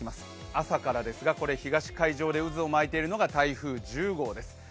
朝からですが東海上で渦を巻いているのが台風１０号です。